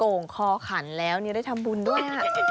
โก่งคอกันแล้วนี่ได้ทำบุญด้วย